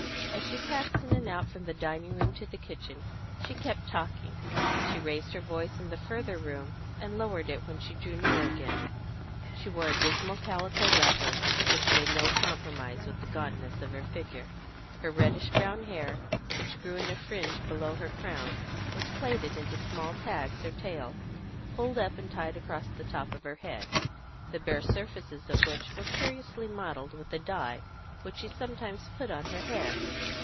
As she passed in and out from the dining room to the kitchen she kept talking; she raised her voice in the further room, and lowered it when she drew near again. She wore a dismal calico wrapper, which made no compromise with the gauntness of her figure; her reddish brown hair, which grew in a fringe below her crown, was plaited into small tags or tails, pulled up and tied across the top of her head, the bare surfaces of which were curiously mottled with the dye which she sometimes put on her hair.